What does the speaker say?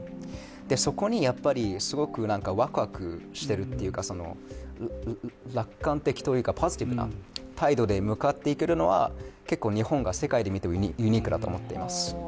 そこにすごくワクワクしているというか楽観的というかポジティブな態度で向かっていけるのは結構日本が世界で見てユニークだと思っています。